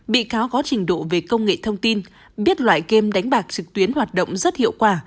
bị cáo có trình độ về công nghệ thông tin biết loại game đánh bạc trực tuyến hoạt động rất hiệu quả